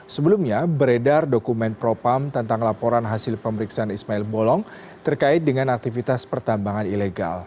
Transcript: sebelumnya beredar dokumen propam tentang laporan hasil pemeriksaan ismail bolong terkait dengan aktivitas pertambangan ilegal